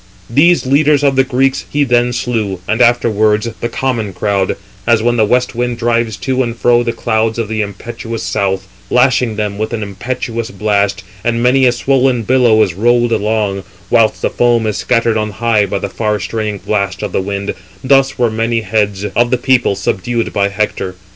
These leaders of the Greeks he then slew, and afterwards the common crowd; as when the west wind drives to and fro the clouds of the impetuous 373 south, lashing them with an impetuous blast, and many a swollen 374 billow is rolled along, whilst the foam is scattered on high by the far straying blast of the wind; thus were many heads of the people subdued by Hector.